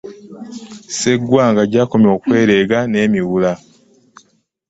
Sseggwanga gy'ekoma okwerega ne miwula.